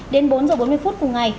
đến bốn h bốn mươi phút cùng ngày